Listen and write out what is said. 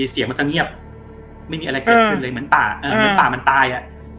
เสียงมันก็เงียบไม่มีอะไรเกิดขึ้นเลยเหมือนป่าเหมือนป่ามันตายอ่ะ